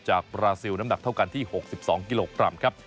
บราซิลน้ำหนักเท่ากันที่๖๒กิโลกรัมครับ